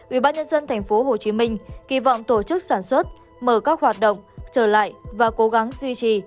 ubnd tp hcm kỳ vọng tổ chức sản xuất mở các hoạt động trở lại và cố gắng duy trì